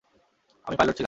আমি পায়লট ছিলাম।